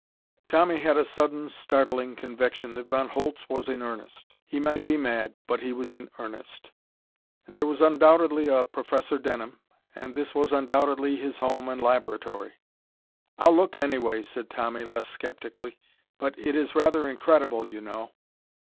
Tommy had a sudden startling conviction that Von Holtz was in earnest. He might be mad, but he was in earnest. And there was undoubtedly a Professor Denham, and this was undoubtedly his home and laboratory. "I'll look, anyway," said Tommy less skeptically. "But it is rather incredible, you know!"